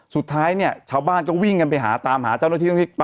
สุดท้ายเนี่ยชาวบ้านก็วิ่งกันไปหาตามหาเจ้าหน้าที่